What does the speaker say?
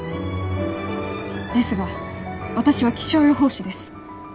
ですが私は気象予報士です。